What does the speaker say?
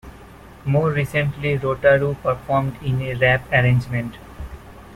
More recently Rotaru performed in a rap arrangement.